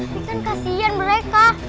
tapi kan kasian mereka